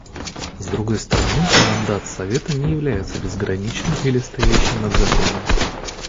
С другой стороны, мандат Совета не является безграничным или стоящим над законом.